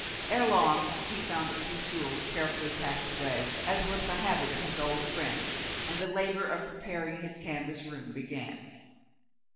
Erelong he found a few tools carefully packed away, as was the habit of his old friend, and the labor of preparing his canvas room began.